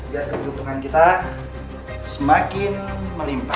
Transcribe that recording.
biar kebutuhan kita semakin melimpa